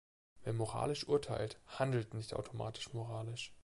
Wer moralisch urteilt, handelt nicht automatisch moralisch.